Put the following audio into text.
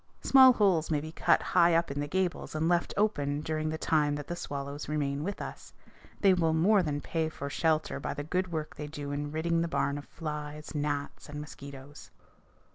Small holes may be cut high up in the gables and left open during the time that the swallows remain with us. They will more than pay for shelter by the good work they do in ridding the barn of flies, gnats, and mosquitoes.